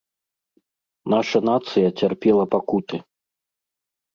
Наша нацыя цярпела пакуты.